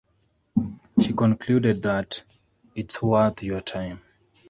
She concluded that "it's worth your time".